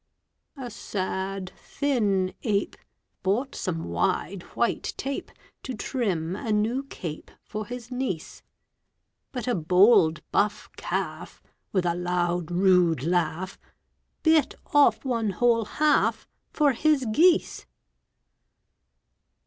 A sad, thin ape Bought some wide white tape To trim a new cape For his niece; But a bold buff calf, With a loud, rude laugh, Bit off one whole half For his geese.